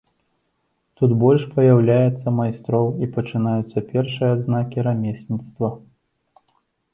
Тут больш паяўляецца майстроў і пачынаюцца першыя адзнакі рамесніцтва.